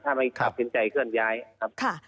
ถ้าไม่ตัดสินใจเคลื่อนย้ายครับ